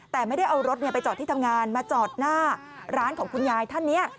แต่ไม่ได้เอารถไปจอดที่ทำงานมาจอดหน้าร้านของคุณยายท่านนี้